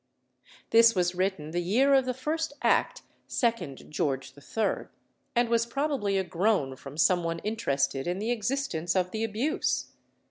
This was written the year of the first Act (2d George III.), and was probably a groan from some one interested in the existence of the abuse.